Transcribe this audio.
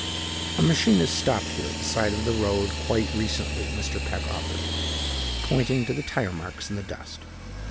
"A machine has stopped here at the side of the road quite recently," Mr. Peck offered, pointing to the tire marks in the dust.